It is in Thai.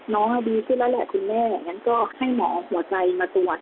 น้องดีขึ้นแล้วแหละคุณแม่อย่างนั้นก็ให้หมอหัวใจมาตรวจ